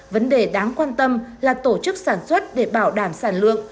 vấn đề đáng quan tâm là tổ chức sản xuất để bảo đảm sản lượng